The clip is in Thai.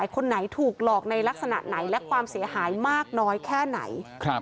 คนไหนถูกหลอกในลักษณะไหนและความเสียหายมากน้อยแค่ไหน